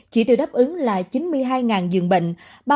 chỉ được đáp ứng là chín mươi hai dường bệnh